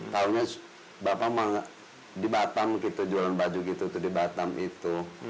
taunya bapak di batam gitu jualan baju gitu di batam itu